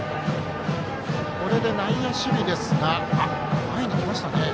これで内野守備は前に来ましたね。